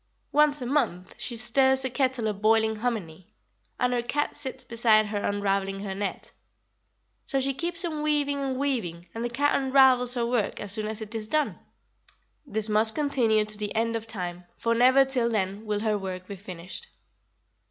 Once a month she stirs a kettle of boiling hominy, and her cat sits beside her unraveling her net. So she keeps on weaving and weaving, and the cat unravels her work as soon as it is done. This must continue to the end of time, for never till then will her work be finished."